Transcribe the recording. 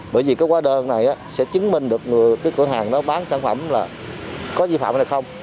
bởi vì quá đơn này sẽ chứng minh được cửa hàng bán sản phẩm là có di phạm hay không